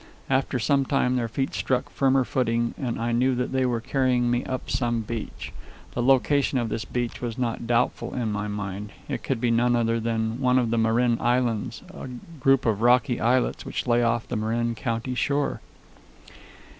After some time their feet struck firmer footing, and I knew they were carrying me up some beach. The location of this beach was not doubtful in my mind. It could be none other than one of the Marin Islands, a group of rocky islets which lay off the Marin County shore.